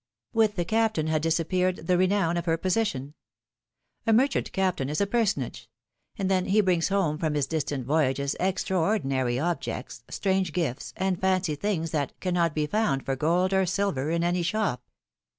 With the Captain had disappeared the renown of her position. A merchant captain is a personage; and then he brings home from his distant voyages extra ordinary objects, strange gifts, and fancy things tliat cannot be found for gold or silver in any shop."